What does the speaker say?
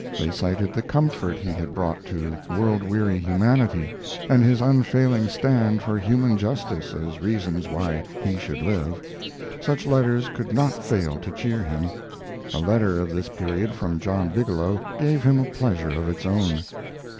They cited the comfort he had brought to world weary humanity and his unfailing stand for human justice as reasons why he should live. Such letters could not fail to cheer him. A letter of this period, from John Bigelow, gave him a pleasure of its own.